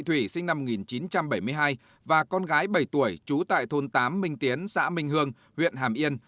thủy sinh năm một nghìn chín trăm bảy mươi hai và con gái bảy tuổi trú tại thôn tám minh tiến xã minh hương huyện hàm yên